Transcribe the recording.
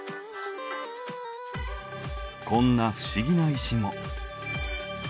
こんな不思議な石も。